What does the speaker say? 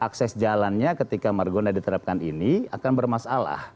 akses jalannya ketika margonda diterapkan ini akan bermasalah